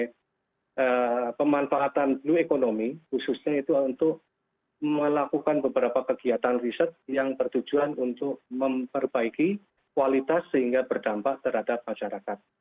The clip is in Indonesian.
kita harus menggunakan momen sebagai pemanfaatan blue economy khususnya itu untuk melakukan beberapa kegiatan riset yang bertujuan untuk memperbaiki kualitas sehingga berdampak terhadap masyarakat